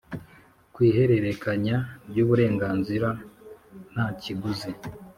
kw ihererekanya ry uburenganzira nta kiguzi